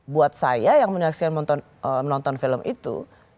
buat saya yang menyaksikan menonton film itu